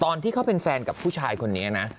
ตอนที่เขาเป็นแฟนกับผู้ชายคนนี้นะ